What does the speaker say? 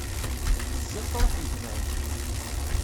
Bezzaf truḥemt bɛid.